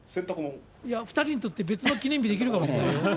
２人にとって別の記念日、できるかもしれないよ。